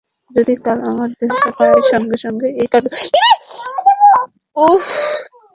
যদি কাল আমার দেহত্যাগ হয়, সঙ্গে সঙ্গে এই কার্য লোপ পাইবে না।